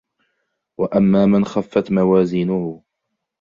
وأما من خفت موازينه